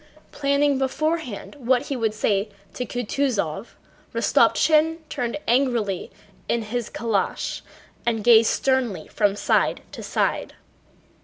Planning beforehand what he would say to Kutúzov, Rostopchín turned angrily in his calèche and gazed sternly from side to side.